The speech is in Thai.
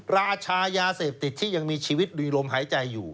ราชายาเสพติดที่ยังมีชีวิตลุยลมหายใจอยู่